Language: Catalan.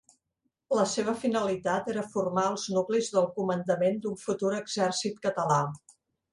La seva finalitat era formar els nuclis del comandament d'un futur exèrcit català.